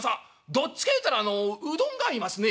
どっちかいうたらうどんが合いますね」。